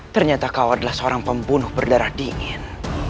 ternyata kau adalah seorang pembunuh berdarah dingin